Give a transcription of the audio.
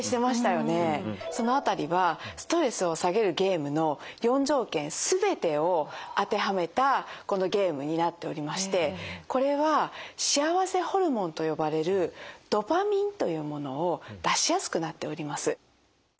その辺りはストレスを下げるゲームの４条件すべてを当てはめたこのゲームになっておりましてこれは幸せホルモンと呼ばれるドパミンというものを出しやすくなっております。